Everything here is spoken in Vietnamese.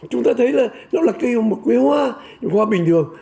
chúng ta thấy là nó là cây hoa bình thường